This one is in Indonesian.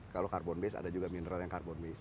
kalau karbon base ada juga mineral yang karbon base